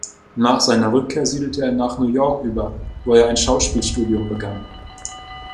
Nach seiner Rückkehr siedelte er nach New York über, wo er ein Schauspielstudium begann.